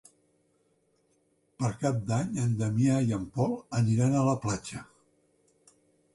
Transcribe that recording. Per Cap d'Any en Damià i en Pol aniran a la platja.